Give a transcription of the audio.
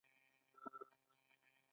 ګاندي د مالګې مارچ وکړ.